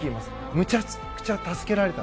むちゃくちゃ助けられた。